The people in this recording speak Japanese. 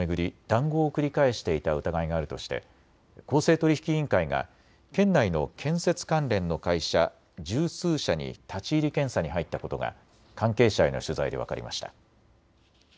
談合を繰り返していた疑いがあるとして公正取引委員会が県内の建設関連の会社、十数社に立ち入り検査に入ったことが関係者への取材で分かりました。